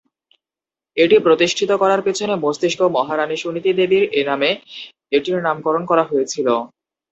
এটি প্রতিষ্ঠিত করার পেছনের মস্তিষ্ক মহারাণী সুনীতি দেবীর নামে এটির নামকরণ করা হয়েছিল।